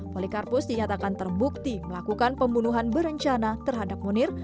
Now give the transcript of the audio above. polikarpus dinyatakan terbukti melakukan pembunuhan berencana terhadap munir